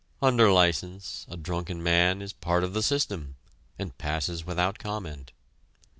Under license, a drunken man is part of the system and passes without comment.